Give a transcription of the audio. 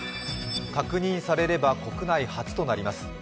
確認されれば国内初となります。